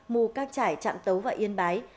mù các trải trạm tấu và yên bái